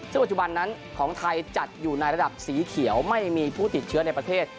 ซึ่งปัจจุบันนั้นของไทยจัดอยู่ในระดับสีเขียวไม่มีผู้ติดเชื้อในประเทศ